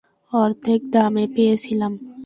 অর্ধেক দামে পেয়েছিলাম।